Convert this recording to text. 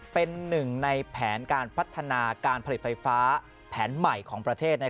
เป็นหนึ่งในแผนการพัฒนาการผลิตไฟฟ้าแผนใหม่ของประเทศ